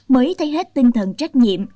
mới thấy hết tinh thần trách nhiệm